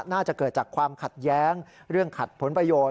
น่าจะเกิดจากความขัดแย้งเรื่องขัดผลประโยชน